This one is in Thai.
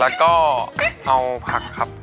แล้วก็เอาผักครับ